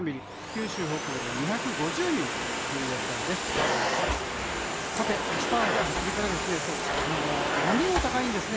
九州北部で２５０ミリという予想です。